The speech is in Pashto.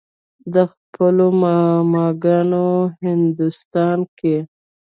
د خپلو ماما ګانو هندوستان کښې